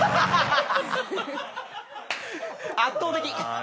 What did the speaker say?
圧倒的！